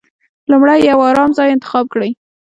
لومړی يو ارام ځای انتخاب کړئ.